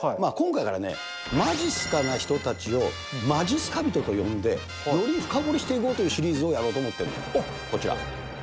今回からね、まじっすかな人たちを、まじっすか人と呼んで、より深掘りしていこうというシリーズをやろうと思ってるんだよ、こちら。